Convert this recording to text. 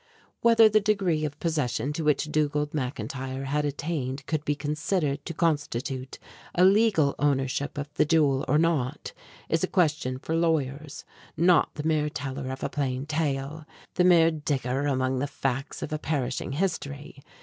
Whether the degree of possession to which Dugald McIntyre had attained could be considered to constitute a legal ownership of the jewel or not is a question for lawyers, not for the mere teller of a plain tale, the mere digger among the facts of a perishing history.